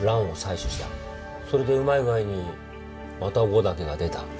それでうまい具合にマタゴダケが出た。